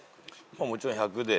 もちろん１００でね。